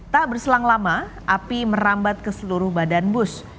tak berselang lama api merambat ke seluruh badan bus